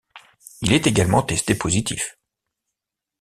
Il est également testé positif.